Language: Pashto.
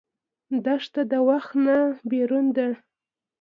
دښته د وخت نه بېرون ده.